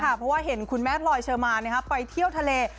เพราะว่าเห็นคุณแม่พลอยเชอร์มานไปเที่ยวทะเล